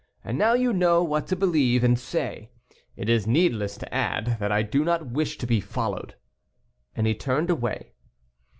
And now you know what to believe and say; it is needless to add, that I do not wish to be followed," and he turned away.